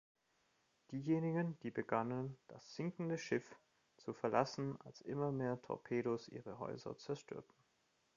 Diejenigen, die begannen, das „sinkende Schiff“ zu verlassen als immer mehr Torpedos ihre Häuser zerstörten.